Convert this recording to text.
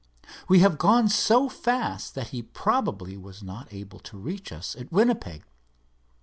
We have gone so fast that he probably was not able to reach us at Winnipeg.